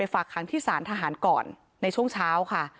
ฝากค้างที่สารทหารก่อนในช่วงเช้าค่ะ